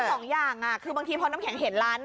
สองอย่างคือบางทีพอน้ำแข็งเห็นร้าน